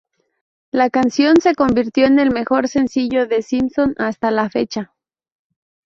La canción se convirtió en el mejor sencillo de Simpson hasta la fecha.